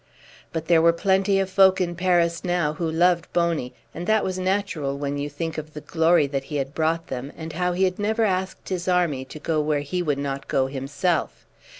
But there were plenty of folk in Paris now who loved Boney; and that was natural when you think of the glory that he had brought them, and how he had never asked his army to go where he would not go himself.